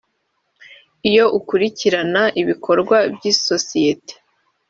iyo ukurikirana ibikorwa by’isosiyete